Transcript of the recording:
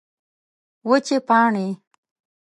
وچې پاڼې